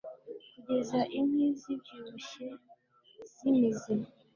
Kugeza inkwi zibyibushye zimize